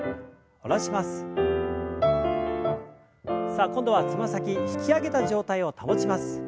さあ今度はつま先引き上げた状態を保ちます。